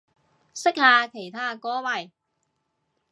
識下其他歌迷